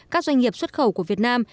các doanh nghiệp xuất khẩu của việt nam